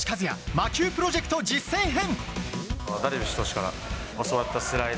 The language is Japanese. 魔球プロジェクト実戦編。